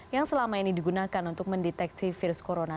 yang selama ini digunakan untuk mendeteksi virus corona